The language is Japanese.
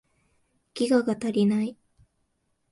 ギガが足りない